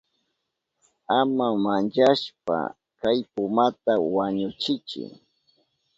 Ama manchashpa kay pumata wañuchiychi.